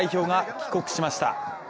帰国しました。